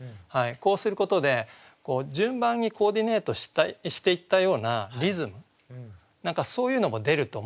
こうすることで順番にコーディネートしていったようなリズム何かそういうのも出ると思うんですよね。